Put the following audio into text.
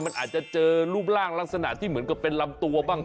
มันอาจจะเจอรูปร่างลักษณะที่เหมือนกับเป็นลำตัวบ้าง